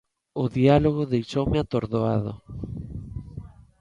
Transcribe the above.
O diálogo deixoume atordoado.